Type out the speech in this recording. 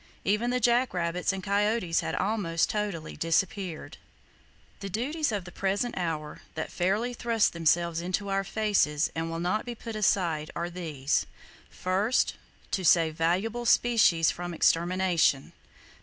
Even the jack rabbits and coyotes had almost totally disappeared. The duties of the present hour, that fairly thrust themselves into our faces and will not be put aside, are these: First,—To save valuable species from extermination!